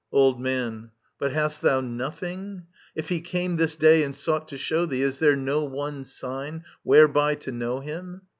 Old Man. But hast thou nothing •..? If he came this day And sought to show thee, is there no one sign Whereby to know him?